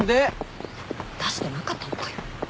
出してなかったのかよ。